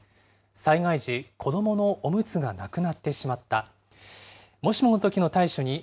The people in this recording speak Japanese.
災害時、子どものおむつがなくなってしまった。